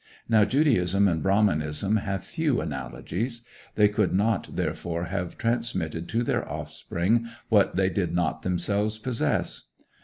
Now, Judaism and Brahmanism have few analogies; they could not, therefore, have transmitted to their offspring what they did not themselves possess.